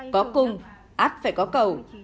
có cung ác phải có cầu